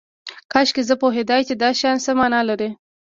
کاشکې زه پوهیدای چې دا شیان څه معنی لري